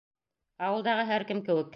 Ауылдағы һәр кем кеүек.